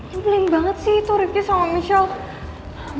ini bling banget sih tuh rifki sama michelle